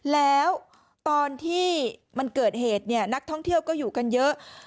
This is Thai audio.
แล้วตอนที่มันเกิดเหตุเนี่ยนักท่องเที่ยวก็อยู่กันเยอะ